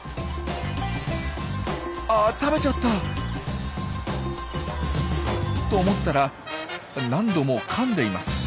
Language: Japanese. あっ食べちゃった！と思ったら何度もかんでいます。